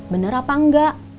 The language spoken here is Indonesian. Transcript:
bener apa enggak